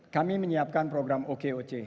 kami menyiapkan program okoc